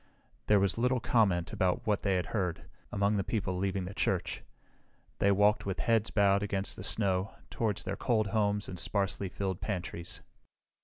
There was little comment about what they had heard, among the people leaving the church. They walked with heads bowed against the snow toward their cold homes and sparsely filled pantries.